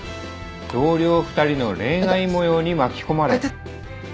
同僚２人の恋愛模様に巻き込まれ。